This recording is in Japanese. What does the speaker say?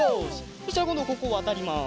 そしたらこんどここわたります。